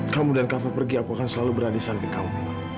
kamu dan kafa pergi aku akan selalu berada di samping kamu